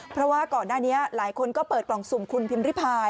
เพราะว่าก่อนหน้านี้หลายคนก็เปิดกล่องสุ่มคุณพิมพิพาย